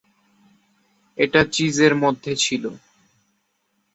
এটা চিজের মধ্যে ছিল।